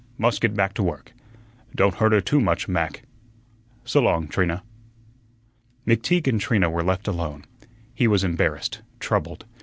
Must get back to work. Don't hurt her too much, Mac. S'long, Trina." McTeague and Trina were left alone. He was embarrassed, troubled.